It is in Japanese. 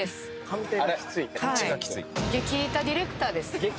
激イタディレクター？